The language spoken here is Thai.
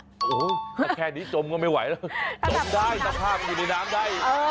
โอ้โหถ้าแค่นี้จมก็ไม่ไหวแล้วจมได้สภาพมันอยู่ในน้ำได้